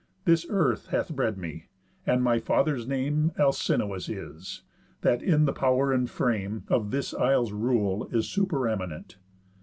This earth hath bred me; and my father's name Alcinous is, that in the pow'r and frame Of this isle's rule is supereminent."